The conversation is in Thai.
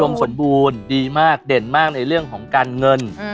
สมบูรณ์ดีมากเด่นมากในเรื่องของการเงิน